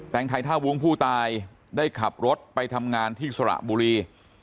งไทยท่าวุ้งผู้ตายได้ขับรถไปทำงานที่สระบุรี